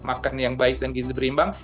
makan yang baik dan gizi berimbang